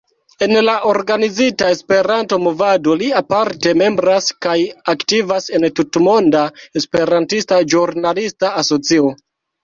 En la organizita Esperanto-movado, li aparte membras kaj aktivas en Tutmonda Esperantista Ĵurnalista Asocio.